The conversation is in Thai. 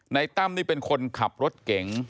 ตั้มนี่เป็นคนขับรถเก๋ง